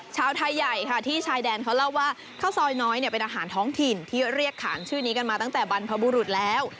ชาวไทยใหญ่ค่ะที่ชายแดนเขาเล่าว่าข้าวซอยน้อยเป็นอาหารท้องถิ่นที่เรียกขานชื่อนี้กันมาตั้งแต่บรรพบุรุษแล้ว